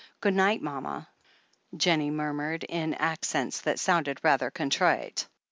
"Good night, mama," JenAie murmured, in accents that sounded rather contrite.